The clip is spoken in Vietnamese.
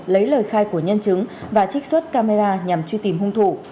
lấy lời khai của nhân chứng và trích xuất camera nhằm truy tìm hung thủ